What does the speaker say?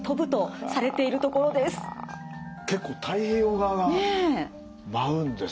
結構太平洋側が舞うんですね。